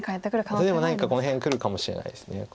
それでも何かこの辺受けるかもしれないです。